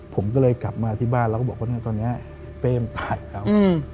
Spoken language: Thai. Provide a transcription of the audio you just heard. ผมก็เลยกลับมาที่บ้านแล้วก็บอกว่าตอนนี้เป้มันตายแล้ว